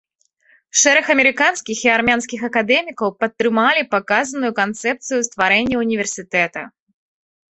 Шэраг амерыканскіх і армянскіх акадэмікаў падтрымалі паказаную канцэпцыю стварэння ўніверсітэта.